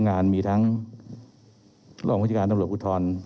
เรามีการปิดบันทึกจับกลุ่มเขาหรือหลังเกิดเหตุแล้วเนี่ย